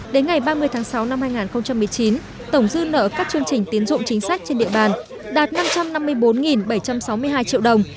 đến ngày ba mươi tháng sáu năm hai nghìn một mươi chín tổng dư nợ các chương trình tiến dụng chính sách trên địa bàn đạt năm trăm năm mươi bốn bảy trăm sáu mươi hai triệu đồng